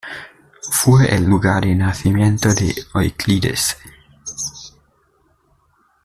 Fue el lugar de nacimiento de Euclides.